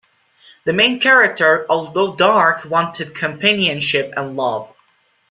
The main character, although dark, wanted companionship and love.